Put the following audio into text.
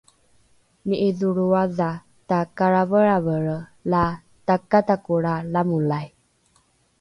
ni’idholroadha takaraveravere la takatakolra lamolai